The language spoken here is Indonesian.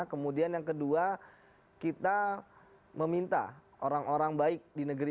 kemudian yang kedua kita meminta orang orang baik di negeri